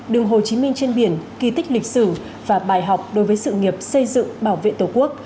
đường hồ chí minh trên biển kỳ tích lịch sử và bài học đối với sự nghiệp xây dựng bảo vệ tổ quốc